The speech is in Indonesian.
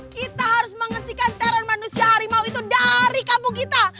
kita harus menghentikan teror manusia harimau itu dari kampung kita